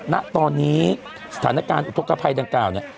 ณตอนนี้สถานการณ์อุทธกภัยดังกล่าวเนี่ย